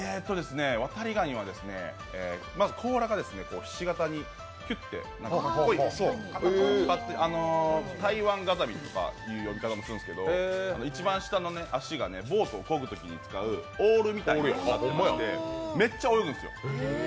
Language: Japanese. わたりがには、まず甲羅がひし形にキュッとなっていてタイワンガザミという呼び方もするんですけど、一番下の脚がボートをこぐときのオールみたいになってめっちゃ泳ぐんですよ。